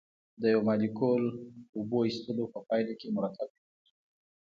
د یو مالیکول اوبو ایستلو په پایله کې مرکب جوړیږي.